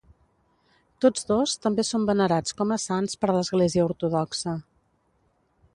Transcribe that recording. Tots dos també són venerats com a sants per l'Església Ortodoxa.